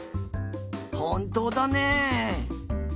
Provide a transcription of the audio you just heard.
ほんとうだねえ。